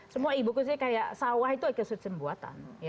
semua ibu kursi kayak sawah itu ekosistem buatan